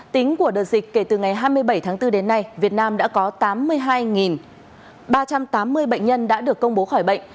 tính của đợt dịch kể từ ngày hai mươi bảy tháng bốn đến nay việt nam đã có tám mươi hai ba trăm tám mươi bệnh nhân đã được công bố khỏi bệnh